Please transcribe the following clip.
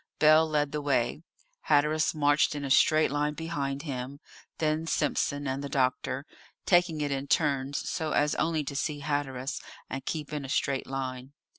Bell led the way; Hatteras marched in a straight line behind him; then Simpson and the doctor, taking it in turns, so as only to see Hatteras, and keep in a straight line.